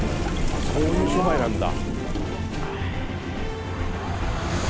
そういう商売なんだ。